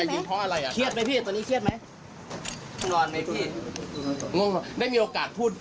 กินข้าวยังครับพี่กินข้าวยัง